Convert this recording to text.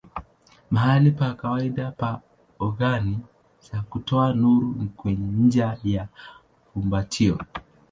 Mahali pa kawaida pa ogani za kutoa nuru ni kwenye ncha ya fumbatio.